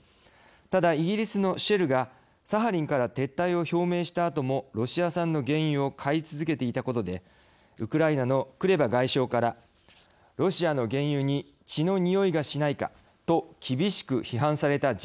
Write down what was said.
ただイギリスのＳｈｅｌｌがサハリンから撤退を表明したあともロシア産の原油を買い続けていたことでウクライナのクレバ外相からロシアの原油に血のにおいがしないかと厳しく批判された事例もあり